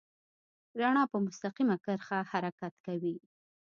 رڼا په مستقیمه کرښه حرکت کوي.